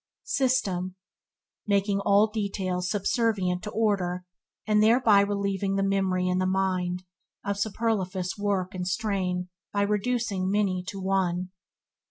System – Making all details, subservient to order, and thereby relieving the memory and the mind of superfluous work and strain by reducing many to one.